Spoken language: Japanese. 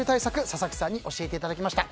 佐々木さんに教えていただきました。